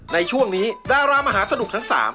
ในช่วงนี้ดารามหาสนุกทั้ง๓